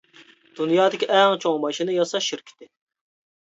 دۇنيادىكى ئەڭ چوڭ ماشىنا ياساش شىركىتى.